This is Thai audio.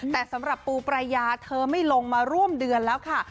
แต่สำหรับปูปรายาเธอไม่ลงมาร่วมเดือนแล้วค่ะ